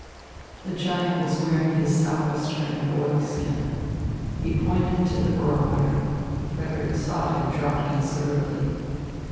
The giant was wearing his sou'wester and oilskin. He pointed to the barometer. Frederick saw it had dropped considerably.